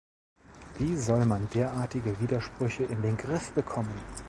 Wie soll man derartige Widersprüche in den Griff bekommen?